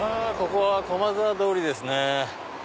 ここは駒沢通りですね。